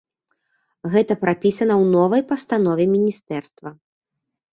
Гэта прапісана ў новай пастанове міністэрства.